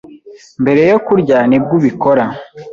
mbere yo kurya nibwo ubikora